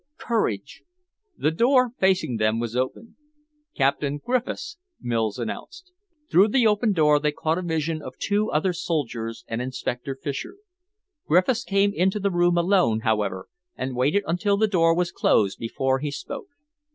Courage!" The door facing them was opened. "Captain Griffiths," Mills announced. Through the open door they caught a vision of two other soldiers and Inspector Fisher. Griffiths came into the room alone, however, and waited until the door was closed before he spoke.